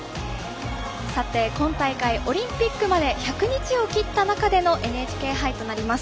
今大会、オリンピックまで１００日を切った中でのＮＨＫ杯となります。